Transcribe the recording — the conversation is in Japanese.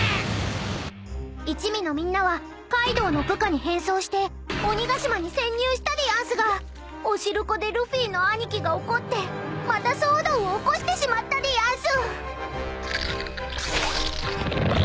［一味のみんなはカイドウの部下に変装して鬼ヶ島に潜入したでやんすがお汁粉でルフィの兄貴が怒ってまた騒動を起こしてしまったでやんす］